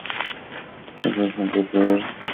এছাড়া তাদের সম্প্রচারের গুণগত মান নিয়েও প্রশ্ন ওঠে।